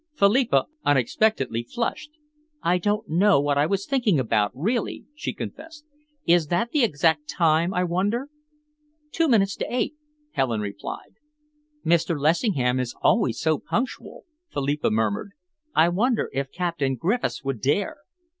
Philippa unexpectedly flushed. "I don't know what I was thinking about, really," she confessed. "Is that the exact time, I wonder?" "Two minutes to eight," Helen replied. "Mr. Lessingham is always so punctual," Philippa murmured. "I wonder if Captain Griffiths would dare!"